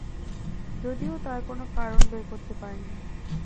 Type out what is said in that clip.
যদিও তার কোনো কারণ বের করতে পারিনি।